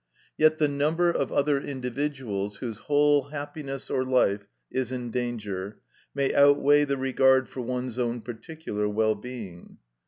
Yet the number of other individuals whose whole happiness or life is in danger may outweigh the regard for one's own particular well being.